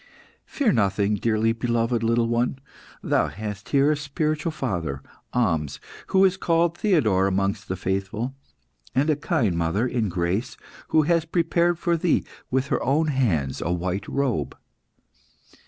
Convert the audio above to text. "Fear nothing, dearly beloved little one. Thou hast here a spiritual father, Ahmes, who is called Theodore amongst the faithful, and a kind mother in grace, who has prepared for thee, with her own hands, a white robe."